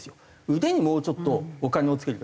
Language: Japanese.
腕にもうちょっとお金をつけるべき。